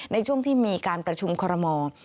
ในช่วงที่มีการประชุมคอรมอล